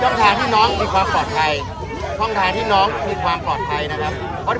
ทางที่น้องมีความปลอดภัยช่องทางที่น้องมีความปลอดภัยนะครับ